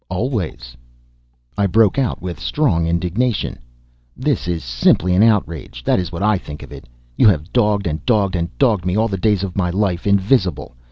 "Always!" I broke out with strong indignation: "This is simply an outrage. That is what I think of it! You have dogged, and dogged, and dogged me, all the days of my life, invisible.